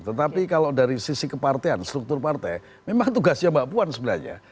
tetapi kalau dari sisi kepartean struktur partai memang tugasnya mbak puan sebenarnya